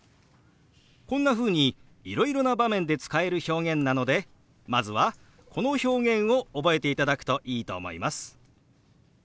こんなふうにいろいろな場面で使える表現なのでまずはこの表現を覚えていただくといいと思います。